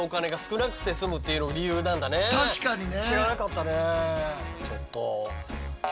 確かにね！